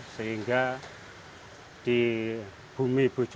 sehingga di bumi bojonegoro